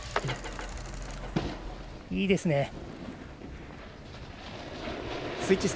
いいですね。